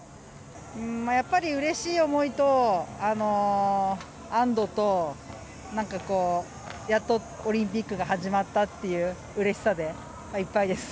やっぱりうれしい思いと、安どと、なんかこう、やっとオリンピックが始まったっていううれしさでいっぱいです。